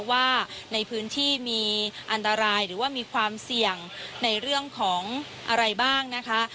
ว่าในพื้นที่มีอันตรายหรือว่ามีความเสี่ยงในเรื่องของอะไรบ้างนะคะ